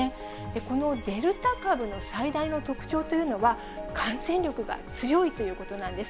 このデルタ株の最大の特徴というのは、感染力が強いということなんです。